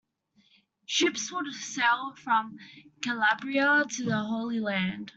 Ships would sail from Calabria to the Holy Land.